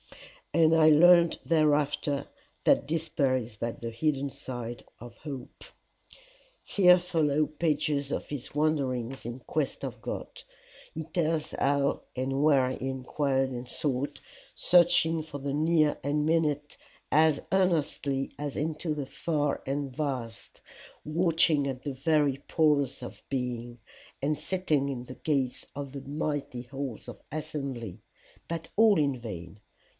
And I learned thereafter that despair is but the hidden side of hope.' "Here follow pages of his wanderings in quest of God. He tells how and where he inquired and sought, searching into the near and minute as earnestly as into the far and vast, watching at the very pores of being, and sitting in the gates of the mighty halls of assembly but all in vain.